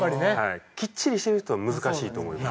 きっちりしてる人は難しいと思います。